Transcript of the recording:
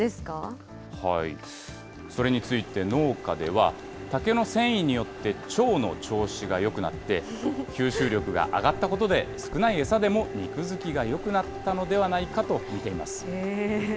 それについて農家では、竹の繊維によって腸の調子がよくなって、吸収力が上がったことで、少ない餌でも肉付きがよくなったのではないかと見ています。